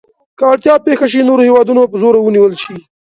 که اړتیا پېښه شي نور هېوادونه په زوره ونیول شي.